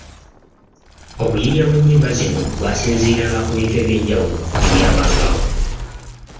Obuyiiya bw’ennyimba zino bwasinziiranga ku bintu eby’enjawulo ebyabangawo